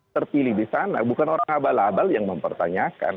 terpilih di sana bukan orang abal abal yang mempertanyakan